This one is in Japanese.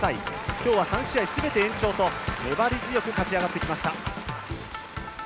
今日は３試合すべて延長と粘り強く勝ち上がってきました。